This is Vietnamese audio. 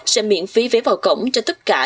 sẽ miễn phí vé vào cổng cho tất cả